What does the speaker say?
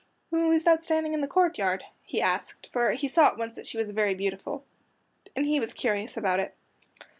"Who is that standing in the courtyard?" he asked, for he saw at once that she was very beautiful, and he was curious about it.